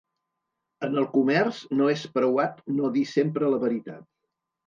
En el comerç no és preuat no dir sempre la veritat.